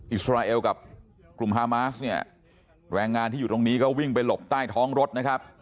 อิสราเอลกับกลุ่มฮามาสเนี่ยแรงงานที่อยู่ตรงนี้ก็วิ่งไปหลบใต้ท้องรถนะครับ